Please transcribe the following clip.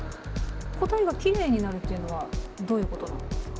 答えがきれいになるっていうのはどういうことなんですか？